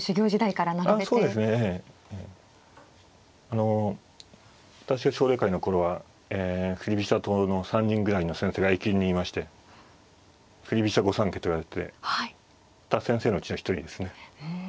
あの私が奨励会の頃は振り飛車党の３人ぐらいの先生がＡ級にいまして振り飛車御三家といわれてた先生のうちの一人ですね。